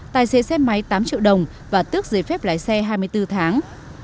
tài xế xe máy tám triệu đồng và tước giấy phép lái xe hai mươi bốn tháng